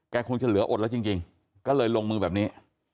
คงจะเหลืออดแล้วจริงก็เลยลงมือแบบนี้